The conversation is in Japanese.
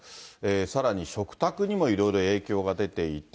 さらに食卓にもいろいろ影響が出ていて。